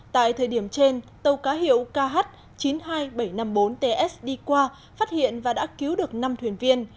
tại thời điểm trên tàu cá hiệu kh chín mươi hai nghìn bảy trăm năm mươi bốn ts đi qua phát hiện và đã cứu được năm thuyền viên